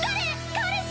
彼氏？